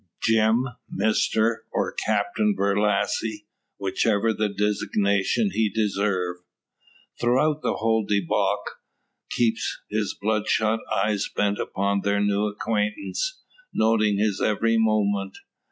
Jim, Mister, or Captain Borlasse whichever designation he deserve throughout the whole debauch, keeps his bloodshot eyes bent upon their new acquaintance, noting his every movement.